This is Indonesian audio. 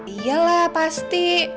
iya lah pasti